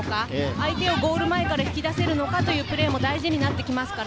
相手をゴール前から引き出せるのかというプレーが大事になります。